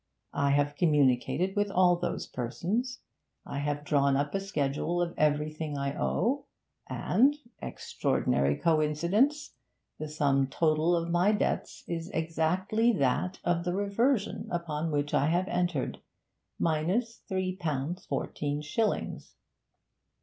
I have communicated with all those persons; I have drawn up a schedule of everything I owe; and extraordinary coincidence! the sum total of my debts is exactly that of the reversion upon which I have entered, minus three pounds fourteen shillings.'